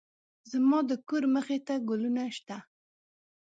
زما د کور مخې ته ګلونه شته